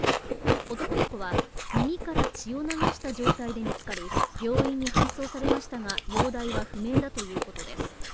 男の子は耳から血を流した状態で見つかり病院に搬送されましたが、容体は不明だということです。